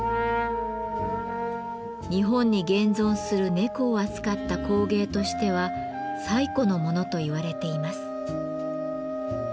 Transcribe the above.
日本に現存する猫を扱った工芸としては最古のものと言われています。